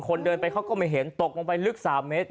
คนเดินไปเขาก็ไม่เห็นตกลงไปลึก๓เมตร